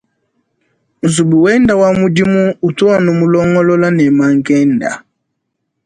Nzubu wenda wa mudimu utu anu mulongolola ne mankenda.